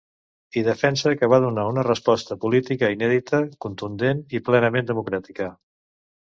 I defensa que va donar una resposta política inèdita, contundent i plenament democràtica.